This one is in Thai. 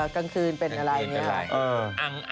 กลางคืนเป็นอะไรอย่างนี้